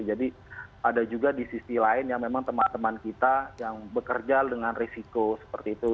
jadi ada juga di sisi lain yang memang teman teman kita yang bekerja dengan risiko seperti itu